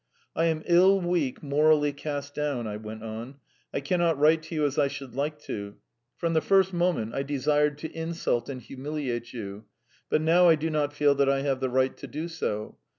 "I am ill, weak, morally cast down," I went on; "I cannot write to you as I should like to. From the first moment I desired to insult and humiliate you, but now I do not feel that I have the right to do so.